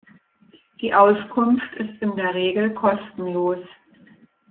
Die Auskunft ist in der Regel kostenlos.